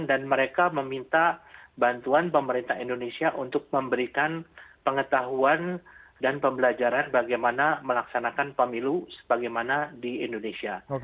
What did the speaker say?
dan mereka meminta bantuan pemerintah indonesia untuk memberikan pengetahuan dan pembelajaran bagaimana melaksanakan pemilu bagaimana di indonesia